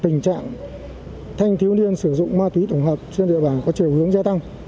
tình trạng thanh thiếu niên sử dụng ma túy tổng hợp trên địa bàn có chiều hướng gia tăng